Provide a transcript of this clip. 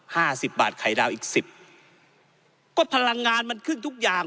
ห้าสิบบาทไข่ดาวอีกสิบก็พลังงานมันขึ้นทุกอย่าง